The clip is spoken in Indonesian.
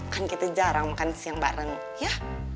kan kita jarang makan siang bareng ya